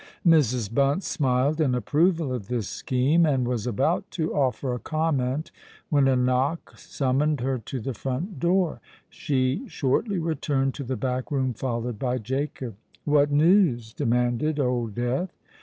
Mrs. Bunce smiled an approval of this scheme, and was about to offer a comment, when a knock summoned her to the front door. She shortly returned to the back room, followed by Jacob. "What news?" demanded Old Death.